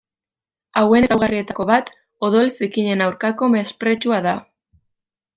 Hauen ezaugarrietako bat, odol zikinen aurkako mespretxua da.